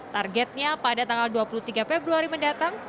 targetnya pada tanggal dua puluh tiga februari mendatang